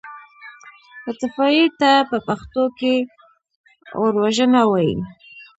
اطفائيې ته په پښتو کې اوروژنه وايي.